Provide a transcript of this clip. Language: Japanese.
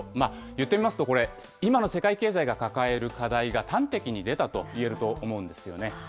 言ってみますとこれ、今の世界経済が抱える課題が端的に出たといえると思うんですよね。